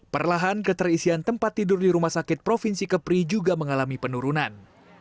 perlahan keterisian tempat tidur di rumah sakit provinsi kepri juga mengalami penurunan